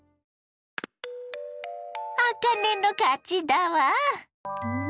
あかねの勝ちだわ。